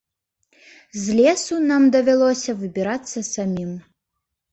З лесу нам давялося выбірацца самім.